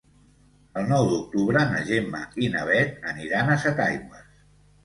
El nou d'octubre na Gemma i na Bet aniran a Setaigües.